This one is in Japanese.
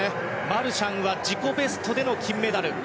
マルシャンは自己ベストでの金メダル。